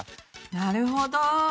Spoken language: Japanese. なるほど。